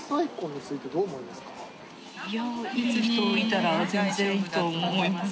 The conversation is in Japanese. いやいい人いたら全然いいと思います。